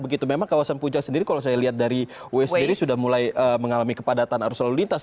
begitu memang kawasan puncak sendiri kalau saya lihat dari w sendiri sudah mulai mengalami kepadatan arus lalu lintas